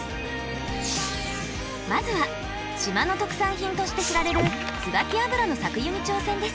まずは島の特産品として知られるつばき油の搾油に挑戦です。